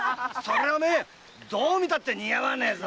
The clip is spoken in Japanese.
どう見ても似合わねえぞ！